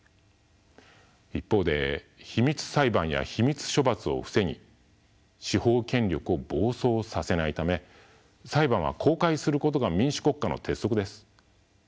一方で秘密裁判や秘密処罰を防ぎ司法権力を暴走させないため裁判は公開することが民主国家の鉄則です。